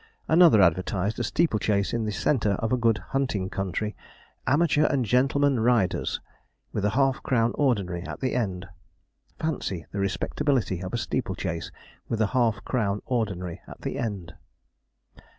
Another advertised a steeple chase in the centre of a good hunting country 'amateur and gentleman riders' with a half crown ordinary at the end! Fancy the respectability of a steeple chase, with a half crown ordinary at the end!